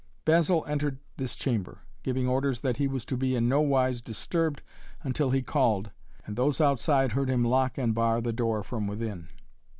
Basil entered this chamber, giving orders that he was to be in no wise disturbed until he called and those outside heard him lock and bar the door from within.